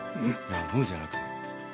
「うん」じゃなくて。